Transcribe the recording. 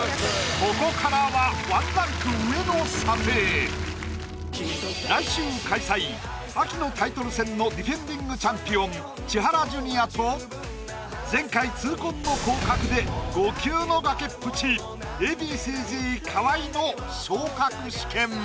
ここからは来週開催秋のタイトル戦のディフェンディングチャンピオン千原ジュニアと前回痛恨の降格で５級の崖っぷちＡ．Ｂ．Ｃ−Ｚ河合の昇格試験。